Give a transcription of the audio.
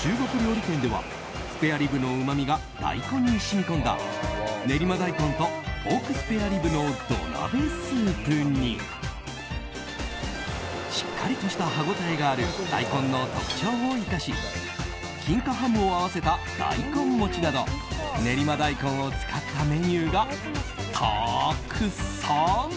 中国料理店ではスペアリブのうまみが大根に染み込んだ練馬大根とポークスペアリブの土鍋スープにしっかりとした歯応えがある大根の特徴を生かし金華ハムを合わせた大根もちなど練馬大根を使ったメニューがたくさん！